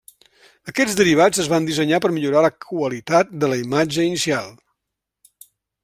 Aquests derivats es van dissenyar per millorar la qualitat de la imatge inicial.